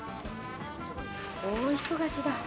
大忙しだ。